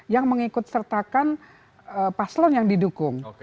yang mengikut sertakan paslon yang didukung